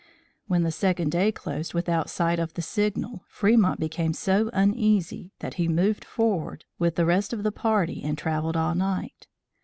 When the second day closed without sight of the signal, Fremont became so uneasy that he moved forward with the rest of the party and travelled all night.